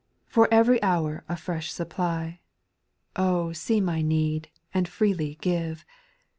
For every hour a fresh supply, see my need and freely give.